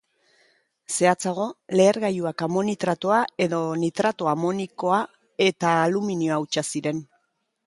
Zehatzago, lehergailuak amonitratoa edo nitrato amonikoa eta aluminio hautsa ziren.